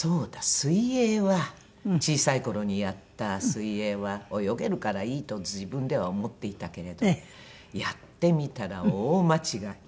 水泳は小さい頃にやった水泳は泳げるからいいと自分では思っていたけれどやってみたら大間違い。